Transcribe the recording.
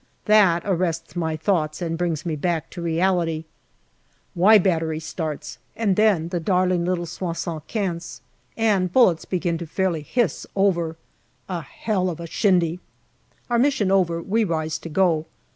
That arrests my thoughts and brings me back to reality. " Y " Battery starts, and then the darling little Soixante quinze, and bullets begin to fairly hiss over. A hell of a shindy ! Our mission over, we rise to go.